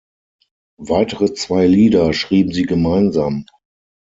Weitere zwei Lieder schrieben sie gemeinsam.